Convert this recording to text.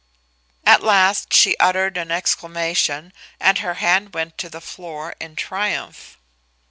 At last she uttered an exclamation, and her hand went to the floor in triumph.